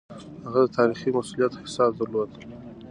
هغه د تاريخي مسووليت احساس درلود.